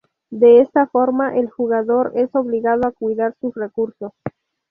De esta forma, el jugador es obligado a cuidar sus recursos.